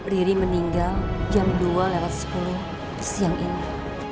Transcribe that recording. riri meninggal jam dua lewat sepuluh siang ini